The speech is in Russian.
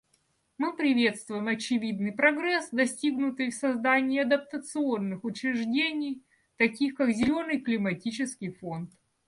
Мы приветствуем очевидный прогресс, достигнутый в создании адаптационных учреждений, таких как Зеленый климатический фонд.